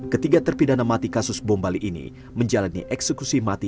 ketiga terpidana mati kasus bombali ini menjalani eksekusi mati